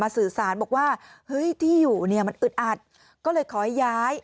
สื่อสารบอกว่าเฮ้ยที่อยู่เนี่ยมันอึดอัดก็เลยขอให้ย้าย